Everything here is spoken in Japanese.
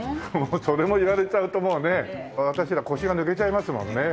それも言われちゃうともうね私ら腰が抜けちゃいますもんね。